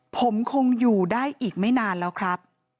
ผมคงอยู่ได้อีกไม่นานแล้วครับ